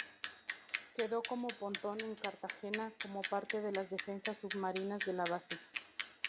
Quedó como pontón en Cartagena, como parte de las defensas submarinas de la base.